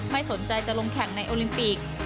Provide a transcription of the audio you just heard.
ไม่สนใจจะลงแข่งในโอลิมปิก